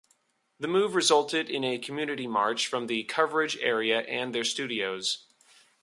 The move resulted in a community march from the coverage area and their studios.